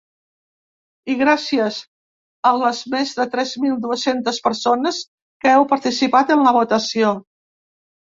I gràcies a les més de tres mil dues-centes persones que heu participat en la votació.